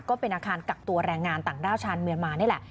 ก็เป็นอาคารกักตัวแรงงานต่างด้าวชาวเมียนมานี่แหละ